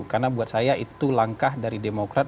karena buat saya itu langkah dari demokrat